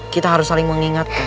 kita harus saling mengingatkan